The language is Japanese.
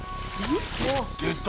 出た。